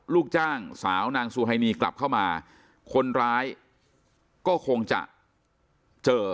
ลูกจ้างสาวนางซูไฮนีกลับเข้ามาคนร้ายก็คงจะเจอ